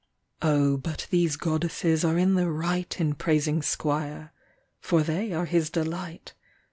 Oh, but these Goddesses are in the right In praising Squire. For they are his delight.